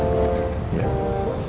terima kasih banyak